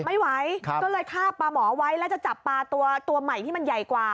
ไม่ไหวก็เลยฆ่าปลาหมอไว้แล้วจะจับปลาตัวใหม่ที่มันใหญ่กว่า